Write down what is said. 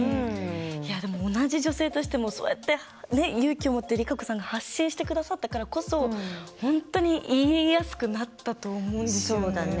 同じ女性としてもそうやって勇気を持ってＲＩＫＡＣＯさんが発信してくださったからこそ本当に言いやすくなったと思うんですよね。